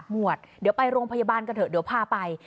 หวดเดี๋ยวไปโรงพยาบาลกันเถอะเดี๋ยวพาไป